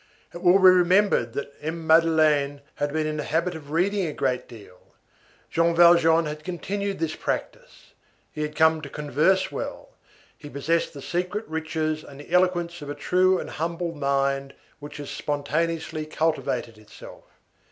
It will be remembered that M. Madeleine had been in the habit of reading a great deal. Jean Valjean had continued this practice; he had come to converse well; he possessed the secret riches and the eloquence of a true and humble mind which has spontaneously cultivated itself.